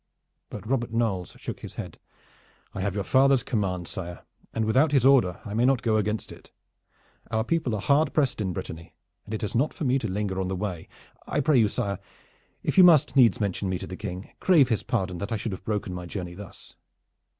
But Robert Knolles shook his head. "I have your father's command, sire, and without his order I may not go against it. Our people are hard pressed in Brittany, and it is not for me to linger on the way. I pray you, sire, if you must needs mention me to the King, to crave his pardon that I should have broken my journey thus."